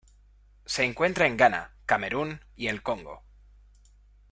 Se encuentra en Ghana, Camerún y el Congo.